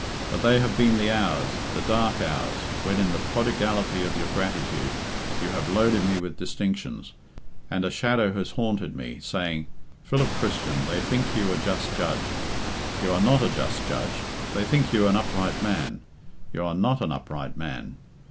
But they have been the hours, the dark hours, when, in the prodigality of your gratitude, you have loaded me with distinctions, and a shadow has haunted me, saying, 'Philip Christian, they think you a just judge you are not a just judge; they think you an upright man you are not an upright man.'